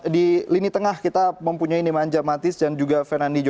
di lini tengah kita mempunyai nemanja matis dan juga fernand